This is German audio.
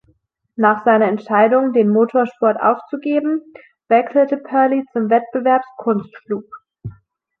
Nach seiner Entscheidung, den Motorsport aufzugeben, wechselte Purley zum Wettbewerbskunstflug.